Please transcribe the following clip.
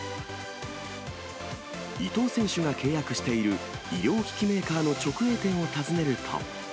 伊藤選手が契約している医療機器メーカーの直営店を訪ねると。